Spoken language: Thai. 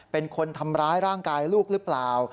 เป็นคนทำร้ายร่างกายลูกหรือเปล่า